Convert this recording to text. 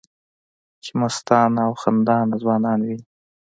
چې مستانه او خندانه ځوانان وینې